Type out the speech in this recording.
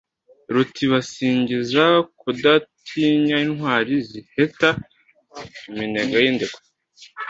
Ruti basingiza kudatinyaIntwari ziheta iminega y' indekwe